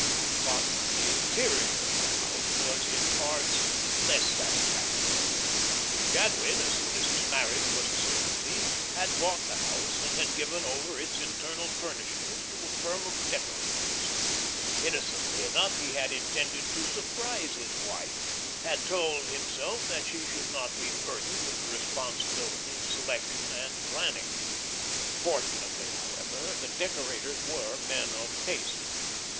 But the interior of the house was, in parts, less satisfactory. Jadwin, so soon as his marriage was a certainty, had bought the house, and had given over its internal furnishings to a firm of decorators. Innocently enough he had intended to surprise his wife, had told himself that she should not be burdened with the responsibility of selection and planning. Fortunately, however, the decorators were men of taste.